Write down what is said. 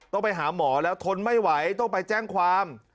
ต้องไปหาหมอแล้วทนไม่ไหวต้องไปแจ้งความ